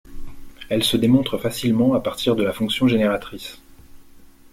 Elle se démontre facilement à partir de la fonction génératrice.